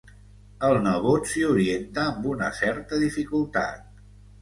El nebot s'hi orienta amb una certa dificultat.